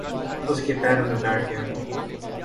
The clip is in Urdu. اس کے پیروں میں بیٹھ گیا۔